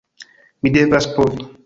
Mi devas povi.